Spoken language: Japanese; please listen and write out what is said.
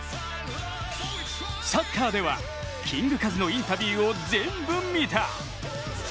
サッカーでは、キングカズのインタビューをぜんぶ見た。